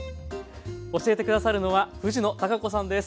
教えて下さるのは藤野貴子さんです。